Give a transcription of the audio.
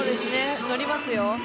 乗りますよ。